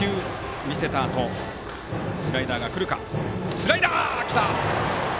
スライダー、来た！